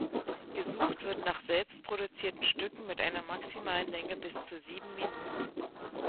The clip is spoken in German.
Gesucht wird nach selbstproduzierten Stücken mit einer maximalen Länge bis zu sieben Minuten.